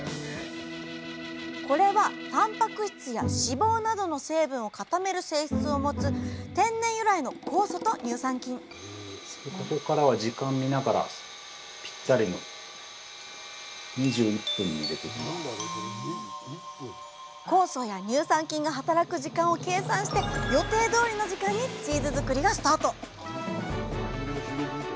これはたんぱく質や脂肪などの成分を固める性質を持つ天然由来の酵素と乳酸菌酵素や乳酸菌が働く時間を計算して予定どおりの時間にチーズ作りがスタート